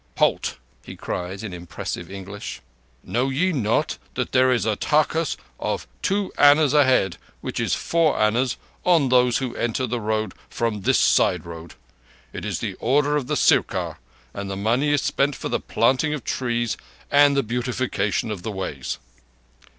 "Halt!" he cried in impressive English. "Know ye not that there is a takkus of two annas a head, which is four annas, on those who enter the Road from this side road? It is the order of the Sirkar, and the money is spent for the planting of trees and the beautification of the ways."